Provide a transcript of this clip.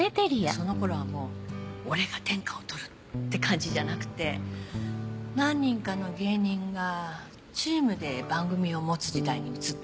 その頃はもう「俺が天下を取る」って感じじゃなくて何人かの芸人がチームで番組を持つ時代に移ってった頃。